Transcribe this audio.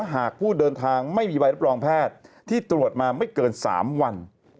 หากผู้เดินทางไม่มีใบรับรองแพทย์ที่ตรวจมาไม่เกิน๓วัน